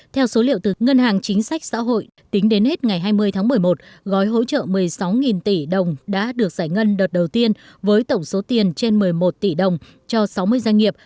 theo số liệu từ ngân hàng chính sách xã hội tính đến hết ngày hai mươi tháng một mươi một gói hỗ trợ một mươi sáu tỷ đồng đã được giải ngân đợt đầu tiên với tổng số tiền trên một mươi một tỷ đồng cho sáu mươi doanh nghiệp